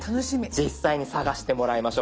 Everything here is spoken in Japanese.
実際に探してもらいましょう。